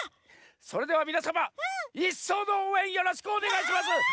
それではみなさまいっそうのおうえんよろしくおねがいします。